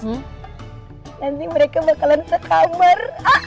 nanti mereka bakalan sekamar